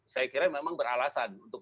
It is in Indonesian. saya kira memang beralasan untuk